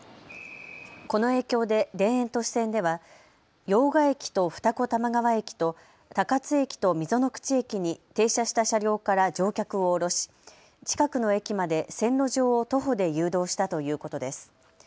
この影響で田園都市線では用賀駅と二子玉川駅と高津駅と溝の口駅に停車した車両から乗客を降ろし近くの駅まで線路上を徒歩で誘導したということです。